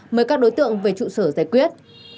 mời các đối tượng về trụ sở giải quyết